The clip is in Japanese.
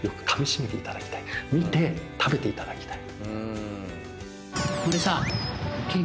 見て食べていただきたい。